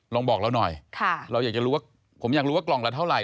ลองบอกเราหน่อยเราอยากจะรู้ว่าผมอยากรู้ว่ากล่องละเท่าไห